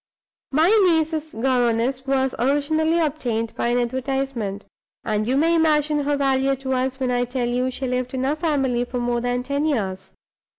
My niece's governess was originally obtained by an advertisement, and you may imagine her value to us when I tell you she lived in our family for more than ten years.